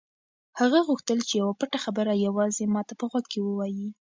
هغه غوښتل چې یوه پټه خبره یوازې ما ته په غوږ کې ووایي.